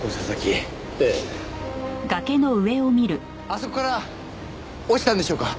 あそこから落ちたんでしょうか？